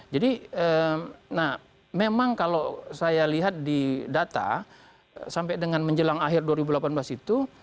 jadi nah memang kalau saya lihat di data sampai dengan menjelang akhir dua ribu delapan belas itu